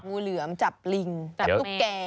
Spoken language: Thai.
จับงูเหลือมจับลิงจับลูกแก